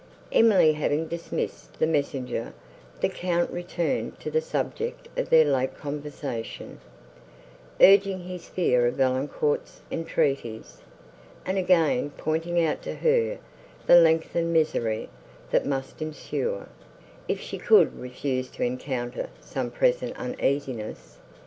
Emily having dismissed the messenger, the Count returned to the subject of their late conversation, urging his fear of Valancourt's entreaties, and again pointing out to her the lengthened misery, that must ensue, if she should refuse to encounter some present uneasiness.